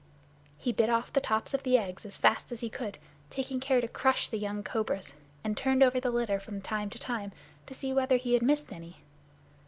He bit off the tops of the eggs as fast as he could, taking care to crush the young cobras, and turned over the litter from time to time to see whether he had missed any.